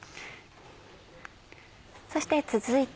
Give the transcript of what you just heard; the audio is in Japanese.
そして続いて。